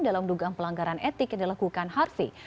dalam dugaan pelanggaran etik yang dilakukan harvey